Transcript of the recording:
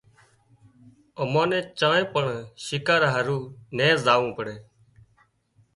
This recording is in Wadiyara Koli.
منين چانئين پڻ شڪار هارو نين زاوون پڙي